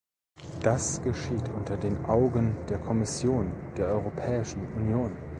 Das geschieht unter den Augen der Kommission der Europäischen Union.